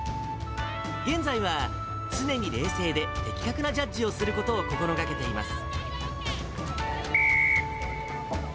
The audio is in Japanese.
現在は、常に冷静で的確なジャッジをすることを心がけています。